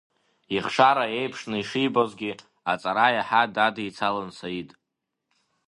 Ихшара еиԥшны ишибозгьы, аҵара иаҳа дадицалон Саид.